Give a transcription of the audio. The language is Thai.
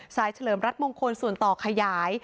เฉลิมรัฐมงคลส่วนต่อขยาย